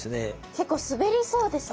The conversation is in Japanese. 結構滑りそうですね